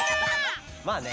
まあね。